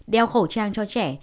đeo khẩu trang cho trẻ